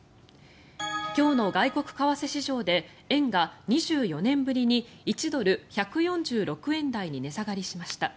今日の外国為替市場で円が２４年ぶりに１ドル＝１４６円台に値下がりしました。